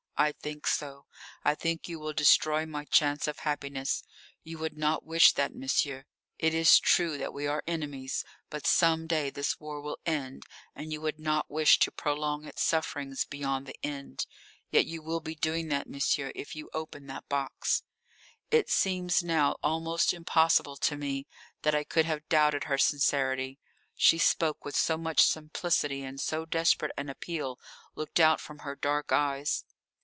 I think so. I think you will destroy my chance of happiness. You would not wish that, monsieur. It is true that we are enemies, but some day this war will end, and you would not wish to prolong its sufferings beyond the end. Yet you will be doing that, monsieur, if you open that box." It seems now almost impossible to me that I could have doubted her sincerity: she spoke with so much simplicity, and so desperate an appeal looked out from her dark eyes.